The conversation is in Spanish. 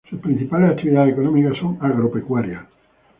Sus principales actividades económicas son agropecuarias.